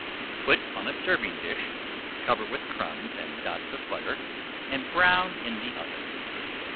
Put on a serving dish, cover with crumbs and dots of butter and brown in the oven.